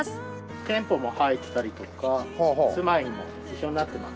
店舗も入ったりとか住まいも一緒になってます。